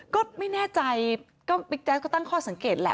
ก็ไม่แน่ใจก็บิ๊กแจ๊สก็ตั้งข้อสังเกตแหละ